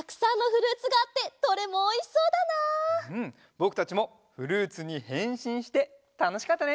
ぼくたちもフルーツにへんしんしてたのしかったね。